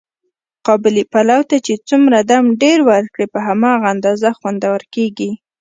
قابلي پلو ته چې څومره دم ډېر ور کړې، په هماغه اندازه خوندور کېږي.